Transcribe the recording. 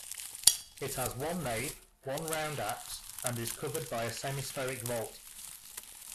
It has one nave, one round apse, and is covered by a semi-spheric vault.